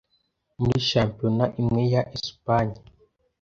muri shampiyona imwe ya Espagne,